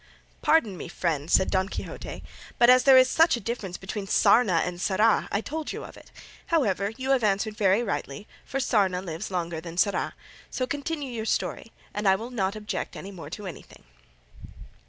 "Pardon me, friend," said Don Quixote; "but, as there is such a difference between sarna and Sarra, I told you of it; however, you have answered very rightly, for sarna lives longer than Sarra: so continue your story, and I will not object any more to anything."